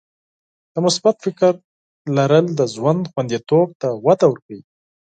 د مثبت فکر درلودل د ژوند خوندیتوب ته وده ورکوي.